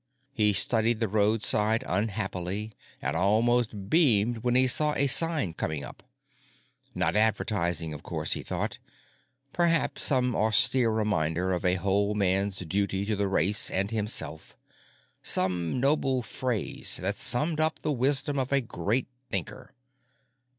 He studied the roadside unhappily and almost beamed when he saw a sign coming up. Not advertising, of course, he thought. Perhaps some austere reminder of a whole man's duty to the race and himself, some noble phrase that summed up the wisdom of a great thinker....